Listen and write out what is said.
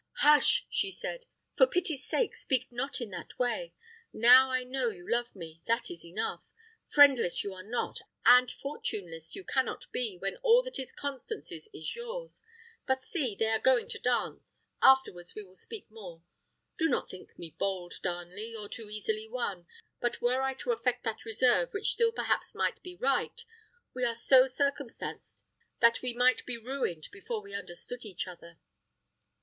"Hush!" she said, "for pity's sake speak not in that way. Now I know you love me, that is enough. Friendless you are not, and fortuneless you cannot he, when all that is Constance's is yours. But see! they are going to dance; afterwards we will speak more. Do not think me bold, Darnley, or too easily won; but were I to affect that reserve which still perhaps might be right, we are so circumstanced that we might be ruined before we understood each other."